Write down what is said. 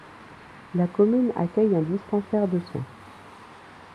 La commune accueille un dispensaire de soins.